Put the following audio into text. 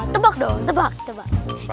tebak dong tebak